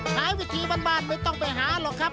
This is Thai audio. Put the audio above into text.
ใช้วิธีบ้านไม่ต้องไปหาหรอกครับ